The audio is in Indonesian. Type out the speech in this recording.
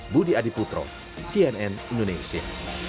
budi adiputro cnn indonesia